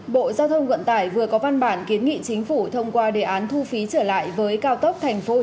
bộ giao thông vận tải vừa có văn bản kiến nghị chính phủ thông qua đề án thu phí trở lại với cao tốc tp hcm